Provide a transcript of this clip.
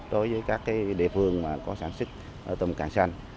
đối với các địa phương có sản xuất tôm càng xanh